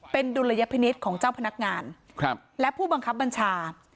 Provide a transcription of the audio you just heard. เป็นดุลยพินิษฐ์ของเจ้าพนักงานและผู้บังคับบัญชา